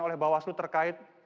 oleh bawaslu terkait